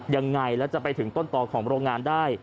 ยังไงแล้วจะไปถึงต้นต่อของโรงงานได้